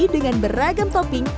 dengan beragam tombolnya